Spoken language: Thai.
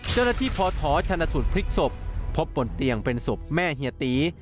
เจ้าหน้าที่พอท้อชนะสูตรพลิกศพพบบนเตียงเป็นศพแม่เฮียตี